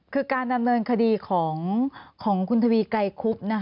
คือการดำเนินคดีของคุณทวีไกรคุบ